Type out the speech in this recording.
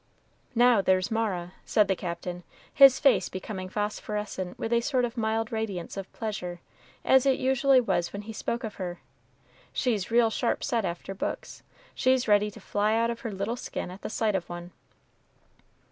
"Now, there's Mara!" said the Captain, his face becoming phosphorescent with a sort of mild radiance of pleasure as it usually was when he spoke of her; "she's real sharp set after books; she's ready to fly out of her little skin at the sight of one."